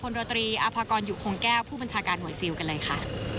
โรตรีอาภากรอยู่คงแก้วผู้บัญชาการหน่วยซิลกันเลยค่ะ